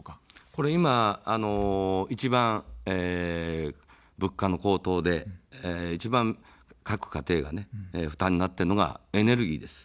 ここは一番、物価の高騰で一番各家庭が負担になっているのがエネルギーです。